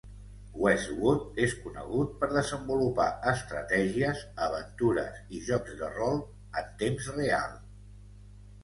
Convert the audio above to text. Westwood és conegut per desenvolupar estratègies, aventures i jocs de rol en temps real.